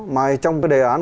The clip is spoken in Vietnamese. mà trong cái đề án